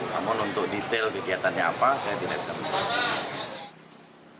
namun untuk detail kegiatannya apa saya tidak bisa menjelaskan